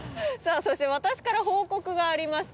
そして私から報告がありまして。